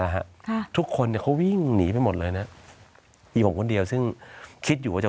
ฮะค่ะทุกคนเนี่ยเขาวิ่งหนีไปหมดเลยนะมีผมคนเดียวซึ่งคิดอยู่ว่าจะ